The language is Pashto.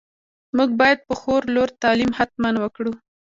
موږ باید په خور لور تعليم حتماً وکړو.